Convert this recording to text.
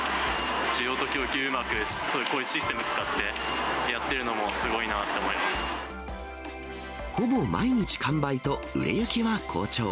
需要と供給をうまく、こういうシステムを使ってやってるのも、ほぼ毎日完売と、売れ行きは好調。